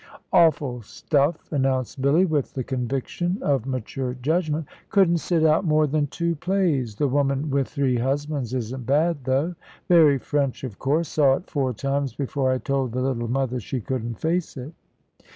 "Awful stuff," announced Billy, with the conviction, of mature judgment. "Couldn't sit out more than two plays. The Woman with Three Husbands isn't bad, though. Very French, of course. Saw it four times before I told the little mother she couldn't face it."